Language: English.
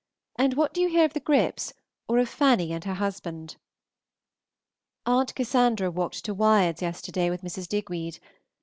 And what do you hear of the Gripps, or of Fanny and her husband? Aunt Cassandra walked to Wyards yesterday with Mrs. Digweed.